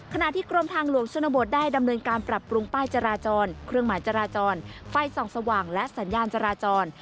ขณะที่กรมทางหลวงชนบทได้ดำเนินการปรับปรุงป้ายจราจรเครื่องหมายจราจรไฟส่องสว่างและสัญญาณจราจร